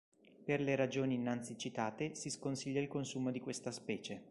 Per le ragioni innanzi citate, si sconsiglia il consumo di questa specie.